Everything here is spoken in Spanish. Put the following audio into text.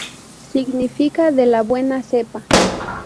Significa "De la Buena Cepa".